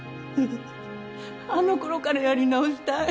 あの頃からやり直したい。